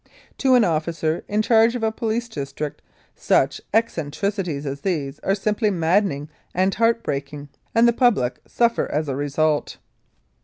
To an officer in charge of a police district such eccentricities as these are simply maddening and heart breaking, and the public suffer as a result.